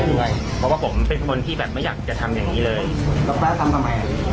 ด้วยเพราะว่าผมเป็นคนที่แบบไม่อยากจะทำอย่างงี้เลยแล้วป้าทำทำไม